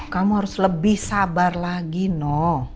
kamu harus lebih sabar lagi no